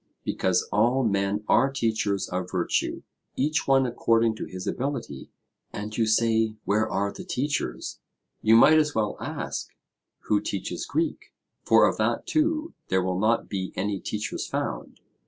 Because all men are teachers of virtue, each one according to his ability; and you say Where are the teachers? You might as well ask, Who teaches Greek? For of that too there will not be any teachers found.